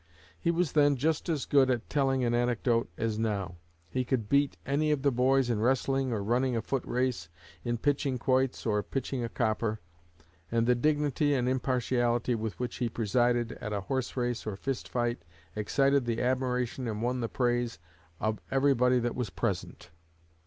He was then just as good at telling an anecdote as now. He could beat any of the boys in wrestling or running a foot race, in pitching quoits or pitching a copper; and the dignity and impartiality with which he presided at a horse race or fist fight excited the admiration and won the praise of everybody that was present.